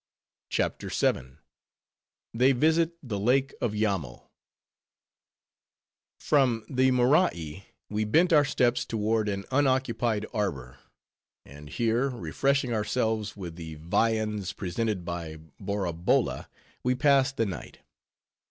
CHAPTER VII. They Visit The Lake Of Yammo From the Morai, we bent our steps toward an unoccupied arbor; and here, refreshing ourselves with the viands presented by Borabolla, we passed the night.